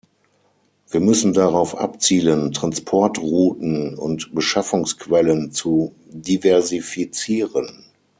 Wir müssen darauf abzielen, Transportrouten und Beschaffungsquellen zu diversifizieren.